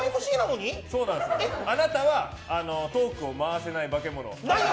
あなたはトークを回せない化け物。